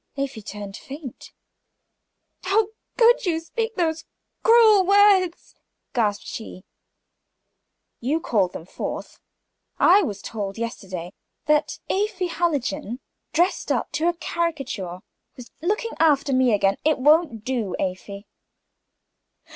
Afy turned faint. "How can you speak those cruel words?" gasped she. "You have called them forth. I was told yesterday that Afy Hallijohn, dressed up to a caricature, was looking after me again. It won't do, Afy."